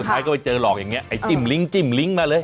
ท้ายก็ไปเจอหลอกอย่างนี้ไอ้จิ้มลิ้งจิ้มลิงก์มาเลย